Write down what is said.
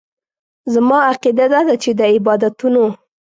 زما عقیده داده چې د عبادتونو.